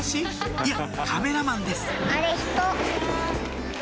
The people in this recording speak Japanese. いやカメラマンです